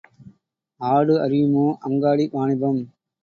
ஆடு அறியுமோ அங்காடி வாணிபம்?